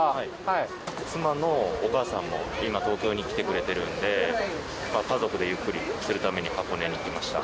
妻のお母さんも今、東京に来てくれてるんで、家族でゆっくりするために箱根に来ました。